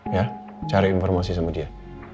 ya cari informasi sama dia